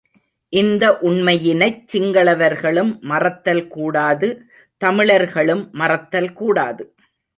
இந்த உண்மையினைச் சிங்களவர்களும் மறத்தல் கூடாது தமிழர்களும் மறத்தல் கூடாது.